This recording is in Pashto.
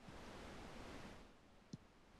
الماس به په بوتسوانا کې د نا انډولۍ لامل نه شي.